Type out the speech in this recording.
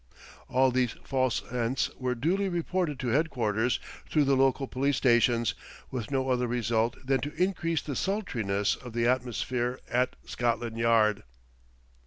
All these false scents were duly reported to headquarters through the local police stations, with no other result than to increase the sultriness of the atmosphere at Scotland Yard.